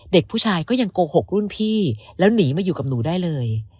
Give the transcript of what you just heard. เด็กผู้ชายก็ยังโกหกรุ่นพี่แล้วหนีมาอยู่กับหนูได้เลย